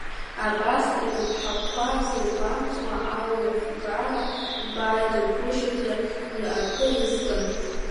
Абас ирыԥҳақәа зыргәамҵуа алҩа-фугара лбааидагәышьозар, уи акы иазкын.